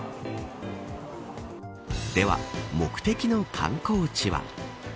では、目的の観光地は。